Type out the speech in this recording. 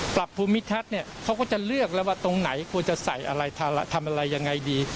ปรับภูมิทัศน์เนี่ยเขาก็จะเลือกแล้วว่าตรงไหนควรจะใส่อะไรทำอะไรยังไงดี